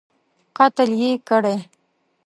قتل یې کړی.